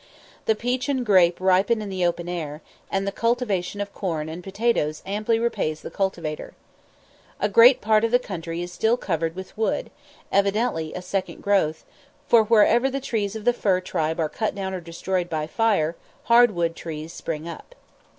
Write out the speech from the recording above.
The peach and grape ripen in the open air, and the cultivation of corn and potatoes amply repays the cultivator. A great part of the country is still covered with wood, evidently a second growth, for, wherever the trees of the fir tribe are cut down or destroyed by fire, hard wood trees spring up.